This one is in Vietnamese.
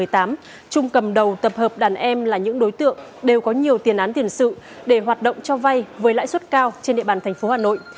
trung cầm đầu tập hợp đàn em là những đối tượng đều có nhiều tiền án tiền sự để hoạt động cho vay với lãi suất cao trên địa bàn thành phố hà nội